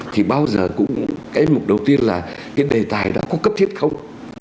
thì bao giờ cũng cái mục đầu tiên là cái đề tài đã có cấp thiết không